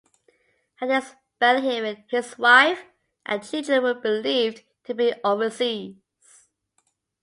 At his bail hearing, his wife and children were believed to be overseas.